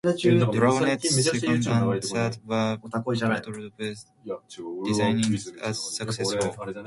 "Dragonet"'s second and third war patrols were designated as "successful".